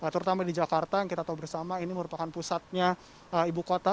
terutama di jakarta yang kita tahu bersama ini merupakan pusatnya ibu kota